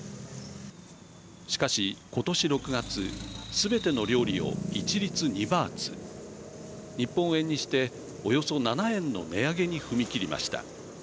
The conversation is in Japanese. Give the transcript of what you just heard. しかし、今年６月すべての料理を一律２バーツ日本円にして、およそ７円の値上げに踏み切りました。